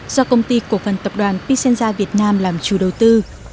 do công ty cổ phần tập đoàn pisenza việt nam làm chủ đầu tư